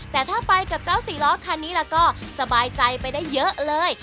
แต่ถ้าไปกับเจ้าสี่ล้อคันนี้แล้วก็สบายใจไปได้เยอะเลย